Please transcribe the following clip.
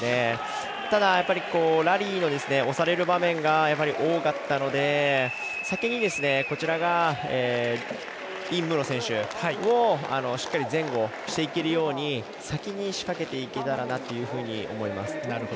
ただ、ラリーを押される場面が多かったので先に、こちらが尹夢ろ選手をしっかり前後していけるように先に仕掛けていけたらなと思います。